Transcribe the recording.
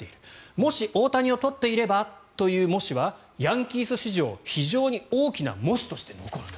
もし大谷を取っていればというもしはヤンキース史上非常に大きなもしとして残ると。